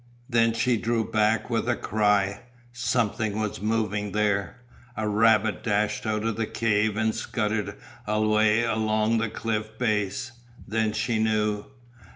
Then she drew back with a cry; something was moving there. A rabbit dashed out of the cave and scuttered away along the cliff base. Then she knew.